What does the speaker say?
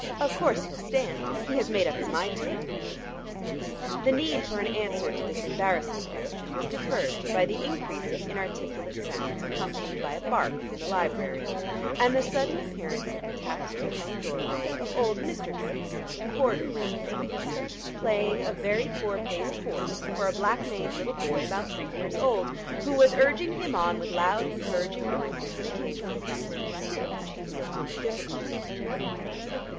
Of course he'll stand he has made up his mind to it?" The need for an answer to this embarrassing question was deferred by the increase of inarticulate sounds accompanied by a bark from the library, and the sudden appearance at the tapestry hung doorway of old Mr. Transome with a cord around his waist, playing a very poor paced horse for a black maned little boy about three years old, who was urging him on with loud encouraging noises and occasional thumps from a stick which he wielded with difficulty.